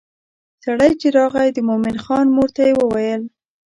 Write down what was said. سړی چې راغی د مومن خان مور ته یې وویل.